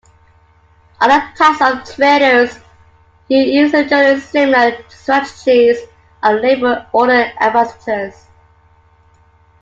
Other types of traders who use generally similar strategies are labelled order anticipators.